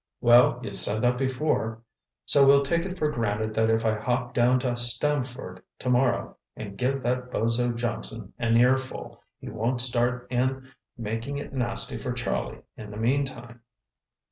"Well, you said that before. So we'll take it for granted that if I hop down to Stamford tomorrow and give that bozo Johnson an earful, he won't start in making it nasty for Charlie in the meantime."